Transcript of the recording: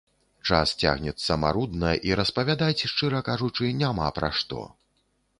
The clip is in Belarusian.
Час цягнецца марудна, і распавядаць, шчыра кажучы, няма пра што.